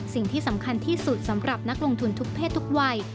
สิ่งที่สำคัญที่สุดสำหรับนักลงทุนทุกเพศทุกวัย